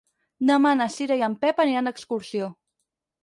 Demà na Cira i en Pep aniran d'excursió.